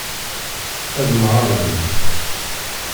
Ad mɣarent.